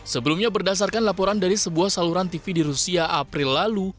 sebelumnya berdasarkan laporan dari sebuah saluran tv di rusia april lalu